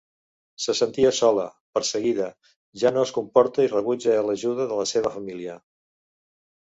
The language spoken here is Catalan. Se sentia sola, perseguida, ja no es comporta i rebutja l'ajuda de la seva família.